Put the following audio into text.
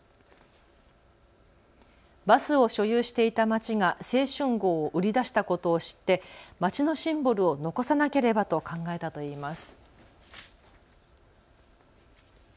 バスを所有していた町が青春号を売り出したことを知って町のシンボルを残さなければと考えたといいます。